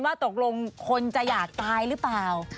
ว่าตกลงคนจะอยากตายหรือเปล่า